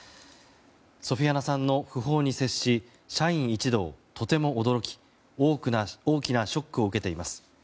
ソフィアナさんの訃報に接し社員一同、とても驚き大きなショックを受けています。